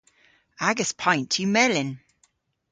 Agas paynt yw melyn.